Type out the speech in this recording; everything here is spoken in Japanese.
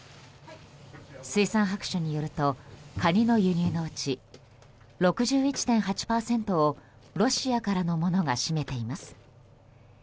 「水産白書」によるとカニの輸入のうち６１．８％をロシアからのものが占めています。